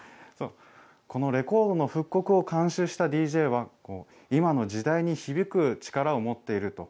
このレコードの復刻を監修したＤＪは、今の時代に響く力を持っていると。